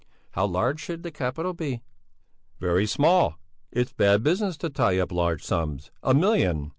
"How large should the capital be?" "Very small! It's bad business to tie up large sums. A million!